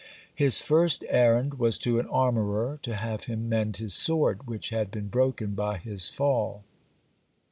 His first errand was to an armorer, to have him mend his sword, which had been broken by his fall.